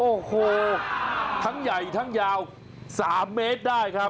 โอ้โหทั้งใหญ่ทั้งยาว๓เมตรได้ครับ